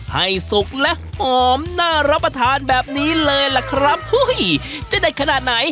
สุกและหอมน่ารับประทานแบบนี้เลยล่ะครับอุ้ยจะเด็ดขนาดไหน